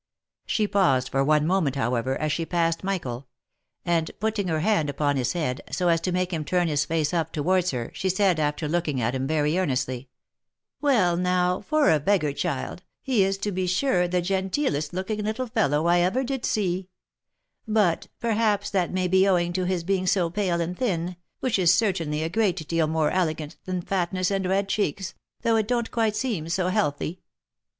She paused for one moment, however, as she passed by Michael ; and putting her hand upon his head, so as to make him turn his face up towards her, she said, after looking at him very earnestly, " Well now, for a beggar child, he is to be sure the genteelest looking little fellow, I ever did see ; but, perhaps that may be owing to his being so pale and thin, which is certainly a great deal more elegant than fatness and red cheeks, though it don't quite seem so healthy."